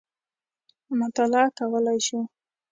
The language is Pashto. مطالعه کولای شو.